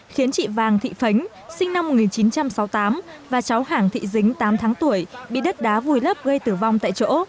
khiến chị vàng thị phánh sinh năm một nghìn chín trăm sáu mươi tám và cháu hàng thị dính tám tháng tuổi bị đất đá vùi lấp gây tử vong tại chỗ